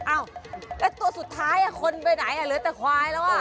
อ้าวแล้วตัวสุดท้ายคนไปไหนเหลือแต่ควายแล้วอ่ะ